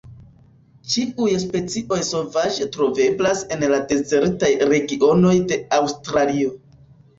Ĉiuj specioj sovaĝe troveblas en la dezertaj regionoj de Aŭstralio.